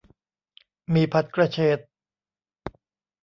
หมี่ผัดกระเฉด